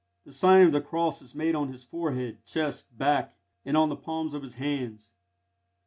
The sign of the cross is made on his forehead, chest, back, and on the palms of his hands.